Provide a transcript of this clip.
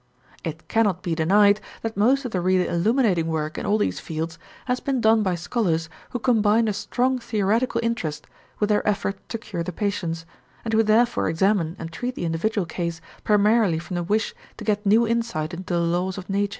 It cannot be denied that most of the really illuminating work in all these fields has been done by scholars who combine a strong theoretical interest with their effort to cure the patients, and who therefore examine and treat the individual case primarily from the wish to get new insight into the laws of nature.